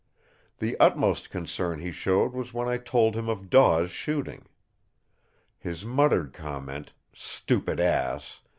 The utmost concern he showed was when I told him of Daw's shooting. His muttered comment: "stupid ass!"